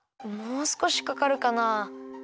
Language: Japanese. もうすこしかかるかな。